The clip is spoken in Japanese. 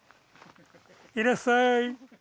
いらっしゃい！